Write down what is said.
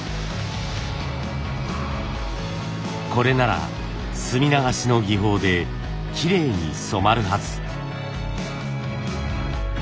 これなら墨流しの技法できれいに染まるはず。